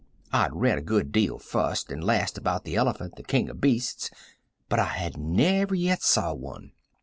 I'd read a good deal first and last about the elephant, the king of beasts, but I had never yet saw one.